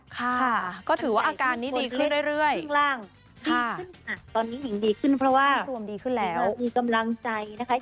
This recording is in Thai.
ค่ะก็ถือว่าอาการนี้ดีขึ้นเรื่อยตอนนี้หญิงดีขึ้นเพราะว่ามันมีกำลังใจนะคะ